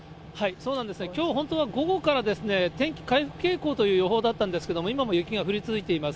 そうなんですね、きょう本当は午後からですね、天気回復傾向という予報だったんですけども、今も雪が降り続いています。